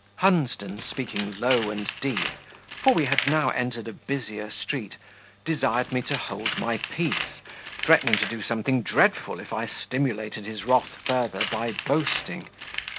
Hunsden speaking low and deep, for we had now entered a busier street desired me to hold my peace, threatening to do something dreadful if I stimulated his wrath further by boasting.